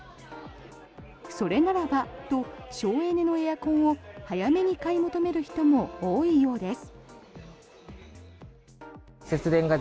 それならばと省エネのエアコンを早めに買い求める人も多いようです。